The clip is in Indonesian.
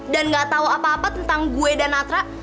dan nggak tau apa apa tentang gue dan natra